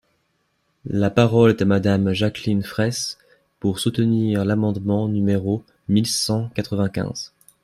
La parole est à Madame Jacqueline Fraysse, pour soutenir l’amendement numéro mille cent quatre-vingt-quinze.